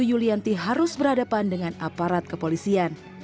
yulianti harus berhadapan dengan aparat kepolisian